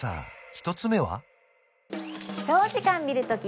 １つ目は？